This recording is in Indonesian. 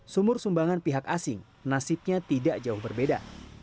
sumur sumbangan pihak asing nasibnya tidak jauh berbeda